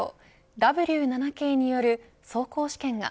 Ｗ７系による走行試験が